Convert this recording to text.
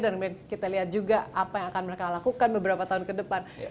dan kita lihat juga apa yang akan mereka lakukan beberapa tahun ke depan